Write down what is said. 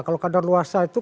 kalau kader luasa itu